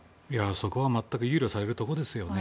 そこは憂慮されるところですよね。